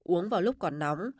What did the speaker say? uống vào lúc còn nóng